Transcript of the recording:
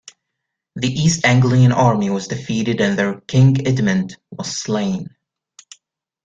The East Anglian army was defeated and their king, Edmund, was slain.